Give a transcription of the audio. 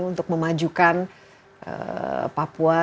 untuk memajukan papua